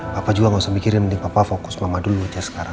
papa juga gak usah mikirin papa fokus mama dulu aja sekarang